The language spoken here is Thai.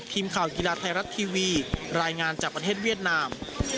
ทีมข่าวกีฬาไทยรัฐทีวีรายงานจากประเทศเวียดนาม